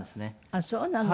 あっそうなの。